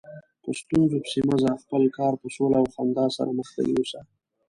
په ستونزو پسې مه ځه، خپل کار په سوله او خندا سره مخته یوسه.